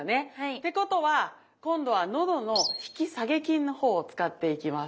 てことは今度は喉の引き下げ筋のほうを使っていきます。